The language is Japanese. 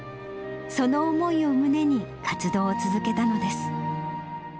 その思いを胸に活動を続けたのです。